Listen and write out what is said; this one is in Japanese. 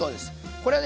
これはね